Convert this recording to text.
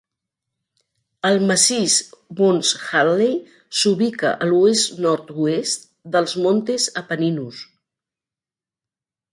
El massís Mons Hadley s'ubica a l'oest-nord-oest dels Montes Apenninus